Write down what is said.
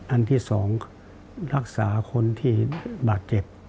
อันที่๒รักษาคนที่บาดเจ็บ